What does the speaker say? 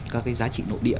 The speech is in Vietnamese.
các giá trị nội địa